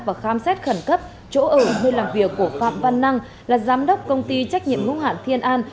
và khám xét khẩn cấp chỗ ở nơi làm việc của phạm văn năng là giám đốc công ty trách nhiệm hữu hạn thiên an